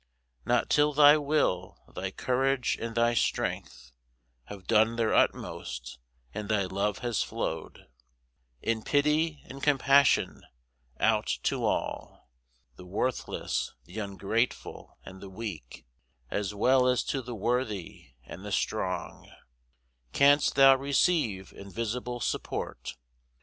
Not till thy will, thy courage, and thy strength Have done their utmost, and thy love has flowed In pity and compassion, out to all (The worthless, the ungrateful, and the weak, As well as to the worthy and the strong) Canst thou receive invisible support.